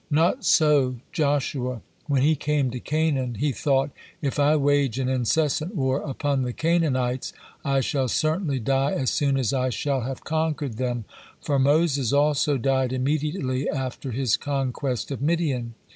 Not so Joshua. When he came to Canaan, he thought: "If I wage an incessant war upon the Canaanites, I shall certainly die as soon as I shall have conquered them, for Moses also died immediately after his conquest of Midian."